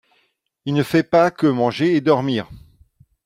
Il ne fait pas que manger et dormir.